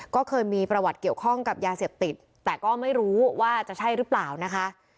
ก็เคยมีประวัติเกี่ยวข้องกับยาเสพติดแต่ก็ไม่รู้ว่าจะใช่หรือเปล่านะคะ